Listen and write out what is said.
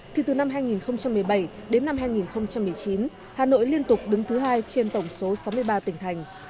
thì từ năm hai nghìn một mươi bảy đến năm hai nghìn một mươi chín hà nội liên tục đứng thứ hai trên tổng số sáu mươi ba tỉnh thành